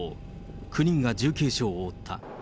９人が重軽傷を負った。